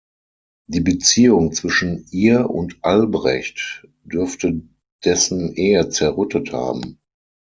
Die Beziehung zwischen ihr und Albrecht dürfte dessen Ehe zerrüttet haben.